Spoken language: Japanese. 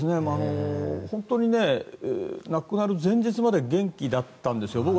本当に亡くなる前日まで元気だったんですよ。